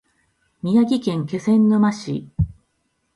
宮城県気仙沼市